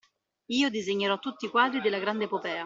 Io disegnerò tutti i quadri della grande epopea.